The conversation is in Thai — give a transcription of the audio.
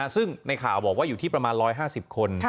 ซึ่งในข่าวบอกว่าอยู่ที่ประมาณ๑๕๐คน